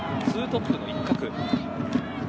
２トップの一角。